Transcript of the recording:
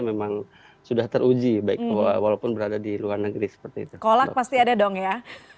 indonesia memang sudah teruji baik walaupun berada di luar negeri seperti itu pasti ada dong ya